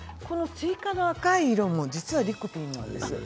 スイカの赤い色も実はリコピンなんです。